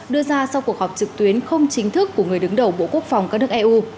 đưa ra sau cuộc họp trực tuyến không chính thức của người đứng đầu bộ quốc phòng các nước eu